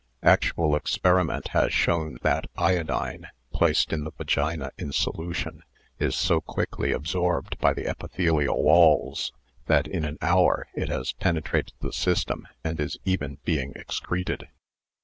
Actual experiment has shown that iodine placed in the vagina in solution is so quickly absorbed by the epithelial walls that in an hour it has penetrated the system and is even being excreted.